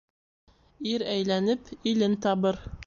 Ир әйләнеп, илен табыр.